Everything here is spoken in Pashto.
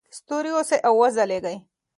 ستوري اوسئ او وځلیږئ.